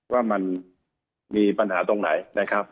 ว่ามันมีปัญหาตรงไหนนะครับ